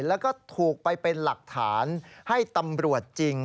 แล้วก็ถูกไปเป็นหลักฐานให้ตำรวจจริง